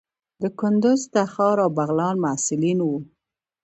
د کندوز، تخار او بغلان محصلین وو.